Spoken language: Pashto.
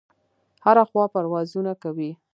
هره خوا پروازونه کوي.